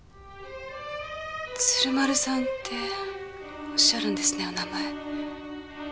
鶴丸さんっておっしゃるんですねお名前。